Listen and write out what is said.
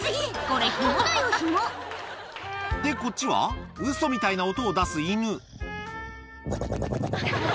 これ、で、こっちは、ウソみたいな音を出す犬。